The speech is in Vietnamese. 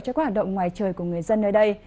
cho các hoạt động ngoài trời của người dân nơi đây